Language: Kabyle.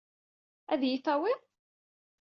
Ad iyi-tawiḍ?